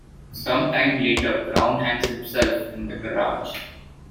Some time later Crown hangs himself in the garage.